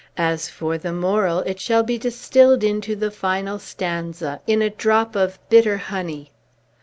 As for the moral, it shall be distilled into the final stanza, in a drop of bitter honey."